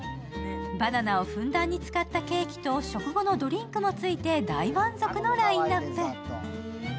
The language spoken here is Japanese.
バナナをふんだんに使ったケーキと食後のドリンクもついて大満足のラインナップ。